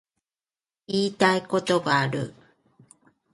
言いたいことがある